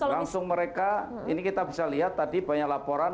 langsung mereka ini kita bisa lihat tadi banyak laporan